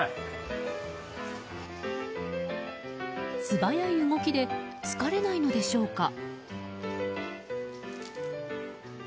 素早い動きで疲れないのでしょうか？